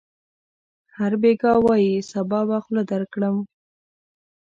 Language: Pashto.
هر بېګا وايي: صبا به خوله درکړم.